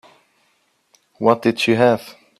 What did you have?